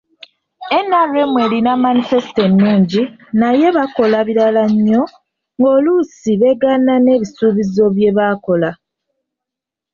NRM erina Manifesito ennungi, naye bakola birala nnyo, ng'oluusi beegaana n'ebisuubizo bye bakola.